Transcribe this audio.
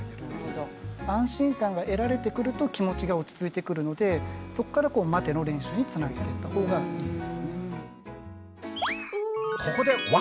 安心感が得られてくると気持ちが落ち着いてくるのでそこから待ての練習につなげていった方がいいですよね。